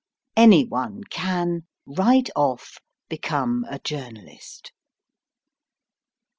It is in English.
Any one can, right off , become a journalist.